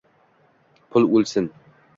Pul o'lsin